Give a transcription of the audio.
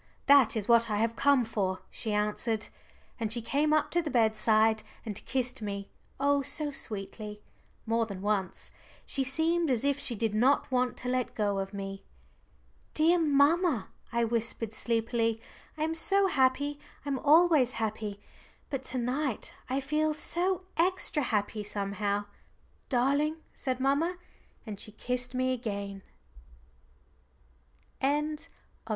"That is what I have come for," she answered. And she came up to the bedside and kissed me, oh so sweetly more than once. She seemed as if she did not want to let go of me. "Dear mamma," I whispered sleepily, "I am so happy I'm always happy, but to night I feel so extra happy, somehow." "Darling," said mamma. And she kissed me again. CHAPTER III.